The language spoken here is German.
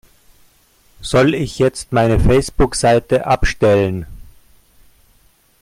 Soll ich jetzt meine Facebookseite abstellen?